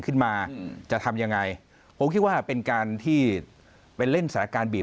ขึ้นมาจะทำยังไงผมคิดว่าเป็นการที่ไปเล่นสถานการณ์บีบ